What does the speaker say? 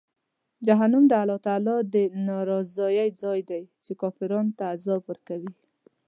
جهنم د الله تعالی د ناراضۍ ځای دی، چې کافرانو ته عذاب ورکوي.